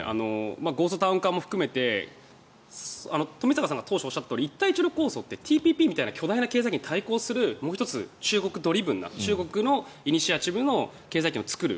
ゴーストタウン化も含めて冨坂さんが当初おっしゃったとおり巨大経済圏構想ってＴＰＰとかに対抗するもう１つ、中国ドリブン中国のイニシアチブの経済圏を作る。